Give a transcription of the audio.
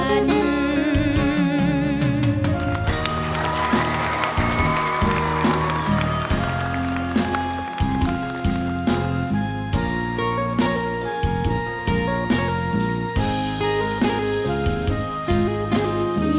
คว้างดังเสฟอ้างที่ถูกกลมพาดมาไกล